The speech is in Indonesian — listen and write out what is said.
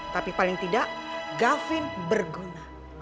tapi paling tidak gavin berguna